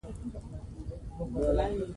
ژبه له خپل فرهنګ سره تړلي ده.